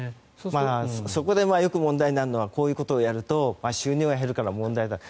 そこでよく問題になるのはこういうことをやると収入が減るから問題だと。